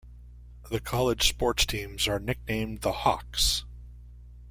The college sports teams are nicknamed the Hawks.